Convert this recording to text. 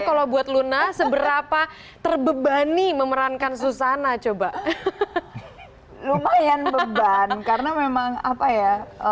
kalau buat luna seberapa terbebani memerankan susana coba lumayan beban karena memang apa ya